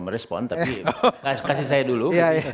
merespon tapi kasih saya dulu